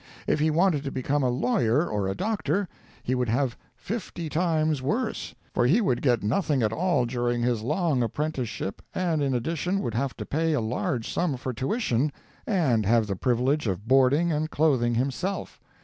If he wanted to become a lawyer or a doctor, he would have fifty times worse; for he would get nothing at all during his long apprenticeship, and in addition would have to pay a large sum for tuition, and have the privilege of boarding and clothing himself.